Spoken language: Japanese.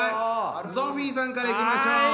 ゾフィーさんからいきましょう！